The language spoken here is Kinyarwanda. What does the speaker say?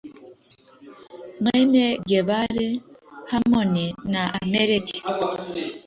bene gebali, hamoni na amaleki